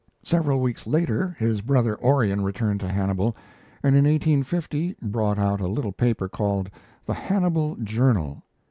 Several weeks later his brother Orion returned to Hannibal, and in 1850 brought out a little paper called the 'Hannibal Journal.'